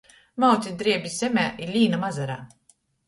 Maucit drēbis zemē i līnam azarā!